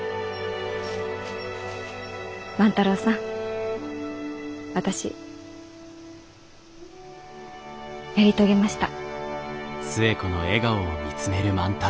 万太郎さん私やり遂げました。